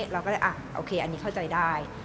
แล้วก็อันนี้เข้าใจได้